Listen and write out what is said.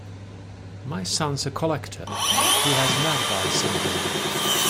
My son's a collector: he has magpie syndrome.